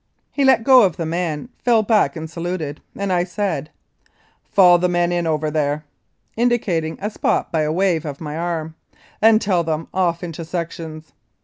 He let go of the man, fell back and saluted, and I said, "Fall the men in over there," indicating a spot by a wave of my arm, "and tell them off into sections."